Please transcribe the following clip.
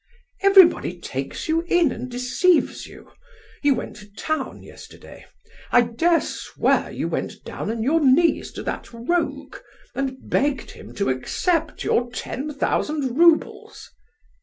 "Everybody takes you in and deceives you; you went to town yesterday. I dare swear you went down on your knees to that rogue, and begged him to accept your ten thousand roubles!"